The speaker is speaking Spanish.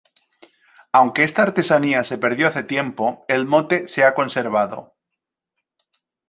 Aunque esta artesanía se perdió hace tiempo, el mote se ha conservado.